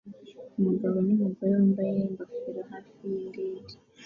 Umugabo numugore wambaye ingofero hafi yindege